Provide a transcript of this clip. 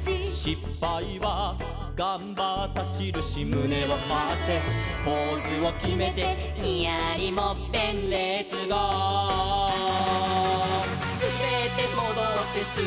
「しっぱいはがんばったしるし」「むねをはってポーズをきめて」「ニヤリもっぺんレッツゴー！」「すべってもどってすべってもどって」